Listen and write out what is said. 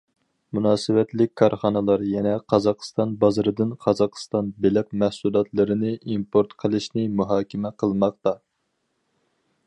مۇناسىۋەتلىك كارخانىلار يەنە قازاقىستان بازىرىدىن قازاقىستان بېلىق مەھسۇلاتلىرىنى ئىمپورت قىلىشنى مۇھاكىمە قىلماقتا.